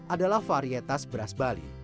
adalah varietas beras bali